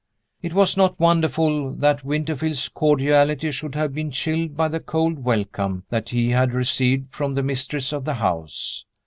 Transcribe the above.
It was not wonderful that Winterfield's cordiality should have been chilled by the cold welcome that he had received from the mistress of the house.